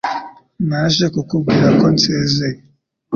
Naje kukubwira ko nsezeye.